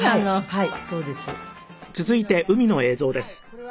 はい。